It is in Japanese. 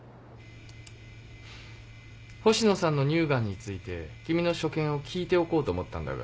星野さんの乳ガンについて君の所見を聞いておこうと思ったんだが。